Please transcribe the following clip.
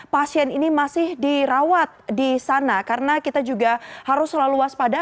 pasien ini masih dirawat di sana karena kita juga harus selalu waspada